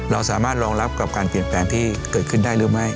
เราสามารถรองรับกับการเปลี่ยนแปลงที่เกิดขึ้นได้หรือไม่